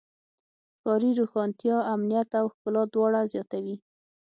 ښاري روښانتیا امنیت او ښکلا دواړه زیاتوي.